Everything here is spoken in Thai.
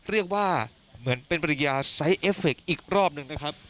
เรียกว่าเหมือนเป็นปริญญาไซส์เอฟเฟคอีกรอบหนึ่งนะครับ